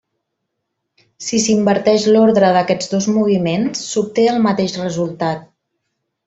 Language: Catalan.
Si s'inverteix l'ordre d'aquests dos moviments, s'obté el mateix resultat.